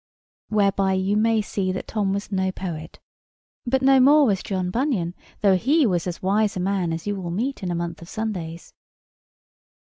Whereby you may see that Tom was no poet: but no more was John Bunyan, though he was as wise a man as you will meet in a month of Sundays.